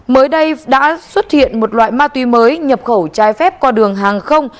mới đây đã xuất hiện một loại ma túy mới nhập khẩu trái phép qua đường hàng không